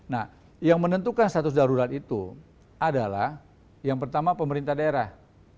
nah yang menentukan status darurat itu adalah yang pertama pemerintah daerah